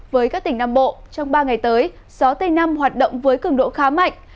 với các tỉnh nam bộ trong ba ngày tới gió tây nam hoạt động với cường độ khá mạnh